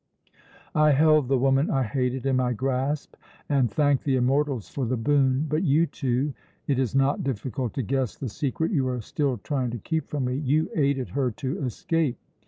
I held the woman I hated in my grasp, and thanked the immortals for the boon; but you two it is not difficult to guess the secret you are still trying to keep from me you aided her to escape.